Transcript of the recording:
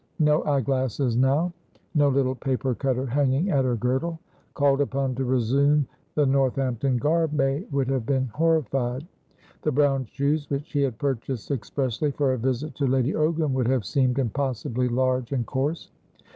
No eye glasses now; no little paper cutter hanging at her girdle. Called upon to resume the Northampton garb, May would have been horrified. The brown shoes which she had purchased expressly for her visit to Lady Ogram would have seemed impossibly large and coarse.